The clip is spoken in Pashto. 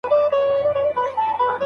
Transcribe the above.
آیا سمندرګی تر سمندر کوچنی دی؟